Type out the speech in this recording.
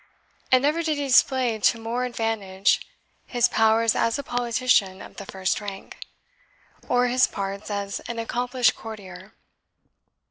And never did he display to more advantage his powers as a politician of the first rank, or his parts as an accomplished courtier.